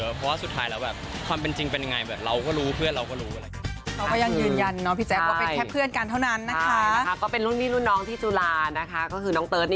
เพราะว่าสุดท้ายแล้วแบบความเป็นจริงเป็นยังไงแบบเราก็รู้เพื่อนเราก็รู้อะไร